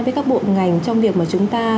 với các bộ ngành trong việc mà chúng ta